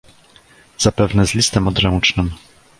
Zapewne z listem odręcznym?